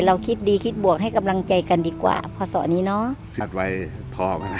เราคิดดีคิดบวกให้กำลังใจกันดีกว่าพศนี้เนอะคิดไว้พอไหม